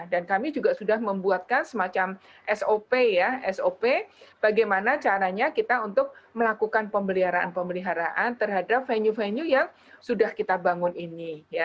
dan kami juga sudah membuatkan semacam sop bagaimana caranya kita untuk melakukan pembeliharaan pembeliharaan terhadap venue venue yang sudah kita bangun ini